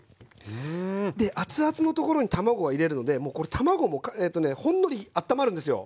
でアツアツのところに卵を入れるのでもう卵もほんのりあったまるんですよ。